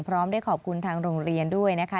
พร้อมได้ขอบคุณทางโรงเรียนด้วยนะคะ